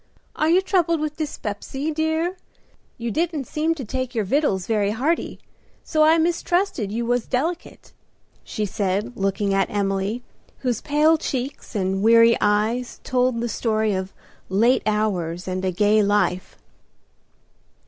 Are you troubled with dyspepsy, dear? You didn't seem to take your vittles very hearty, so I mistrusted you was delicate," she said, looking at Emily, whose pale cheeks and weary eyes told the story of late hours and a gay life.